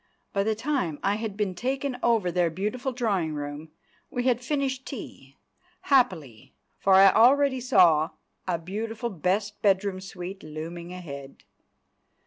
By the time I had been taken over their beautiful drawing room, we had finished tea—happily, for I already saw a beautiful best bedroom suite looming ahead.